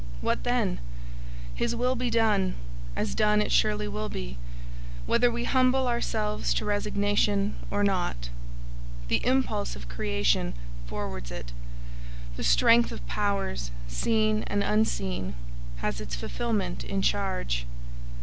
What then? His will be done, as done it surely will be, whether we humble ourselves to resignation or not. The impulse of creation forwards it; the strength of powers, seen and unseen, has its fulfilment in charge.